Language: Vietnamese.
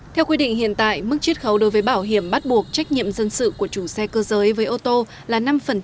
theo quy định hiện tại mức chiết khấu đối với bảo hiểm bắt buộc trách nhiệm dân sự của chủ xe cơ giới với ô tô là năm